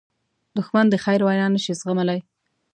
دښمن د خیر وینا نه شي زغملی